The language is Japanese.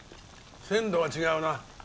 鮮度が違うな。